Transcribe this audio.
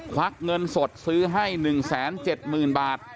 วักเงินสดซื้อให้๑๗๐๐๐บาท